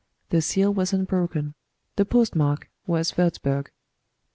The seal was unbroken the postmark was Wurzburg.